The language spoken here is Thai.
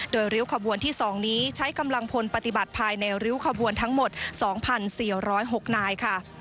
โดยริ้วขบวนที่๒นี้ใช้กำลังพลปฏิบัติภายในริ้วขบวนทั้งหมด๒๔๐๖นายค่ะ